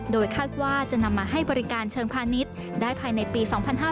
โดยคาดว่าจะนำมาให้บริการเชิงพาณิชย์ได้ภายในปี๒๕๕๙